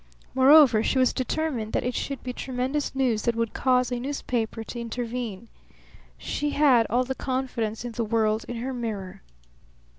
Moreover, she was determined that it should be tremendous news that would cause a newspaper to intervene. She had all the confidence in the world in her mirror.